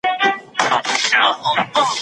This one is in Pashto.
هغه وویل عصري سپک خواړه د لوی صنعت برخه ده.